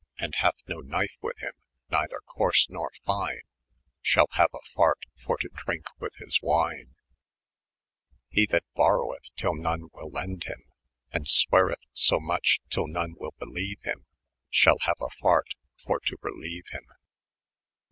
And hath no knyfe with hym, nejther cours nor fyne'. Shall hane a fart for to drynke yrith his ■wyne, 179 ■ If He that boroweth tyll none wyll lend hym. And swereth ao moche, tyll non wyll belene hym. Shall' haue a fart for to rel[e]ue hym.